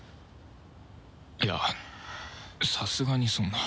いやさすがにそんな